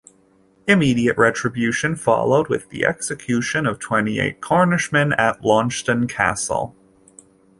Immediate retribution followed with the execution of twenty-eight Cornishmen at Launceston Castle.